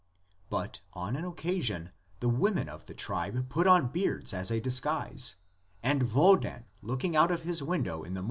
But on an occasion the women of the tribe put on beards as a disguise, and Wodan looking out of his window in the morn VARIETIES OF THE LEGENDS.